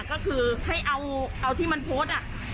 ก็คือให้เอาที่มันโพสต์